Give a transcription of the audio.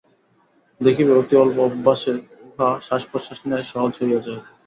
দেখিবে, অতি অল্প অভ্যাসে উহা শ্বাসপ্রশ্বাস ন্যায় সহজ হইয়া যাইবে।